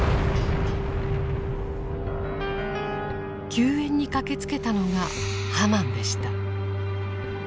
救援に駆けつけたのが「ハマン」でした。